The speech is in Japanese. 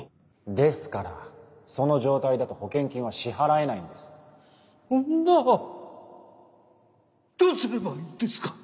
ですからその状態だと保険金は支払えそんなどうすればいいんですか？